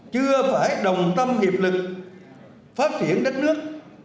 chưa phải đồng tâm hiệp lực phát triển đất nước